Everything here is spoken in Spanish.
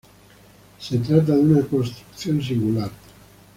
Se trata de una construcción singular.